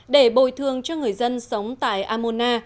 để bồi thương cho người dân sống tại amona